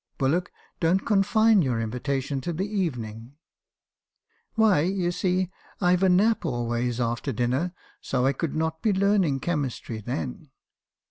Bullock! don't confine your invitation to the evening !' "'Why, you see, I've a nap always after dinner, so I could not be learning chemistry then.'